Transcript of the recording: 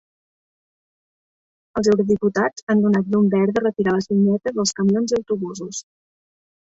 Els eurodiputats han donat llum verda a retirar les vinyetes als camions i autobusos.